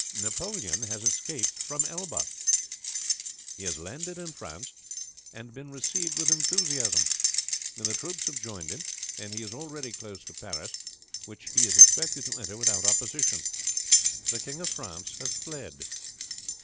Napoleon has escaped from Elba. He has landed in France, and been received with enthusiasm. The troops have joined him, and he is already close to Paris, which he is expected to enter without opposition. The King of France has fled."